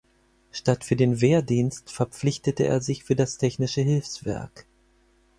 Statt für den Wehrdienst verpflichtete er sich für das Technische Hilfswerk.